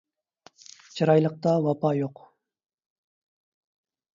چىرايلىقتا ۋاپا يوق